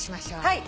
はい。